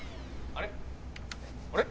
あれ？